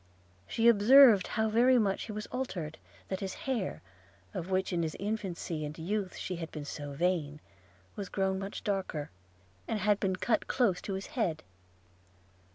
She observed how very much he was altered – that his hair, of which in his infancy and youth she had been so vain, was grown much darker, and had been cut close to his head.